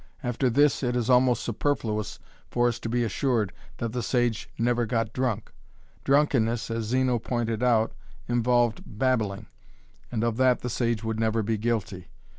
After this it is almost superfluous for us to be assured that the sage never got drunk. Drunkenness, as Zeno pointed out, involved babbling, and of that the sage would never be guilty.